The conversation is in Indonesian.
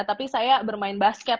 tapi saya bermain basket